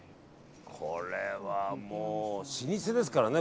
これはもう、老舗ですからね